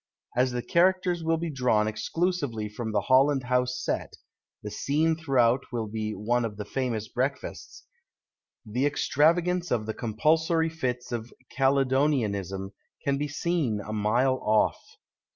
As the characters will be drawn exclusively from the Holland House set (the scene throughout will be one of the famous breakfasts), the extravagance of the com pulsory fits of Caledonianism can be seen a mile off.